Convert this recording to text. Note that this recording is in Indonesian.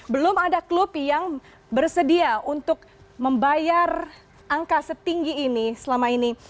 belum ada klub yang bersedia untuk membayar angka setinggi ini selama ini